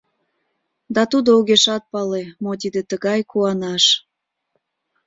Да тудо огешат пале, мо тиде тыгай — куанаш.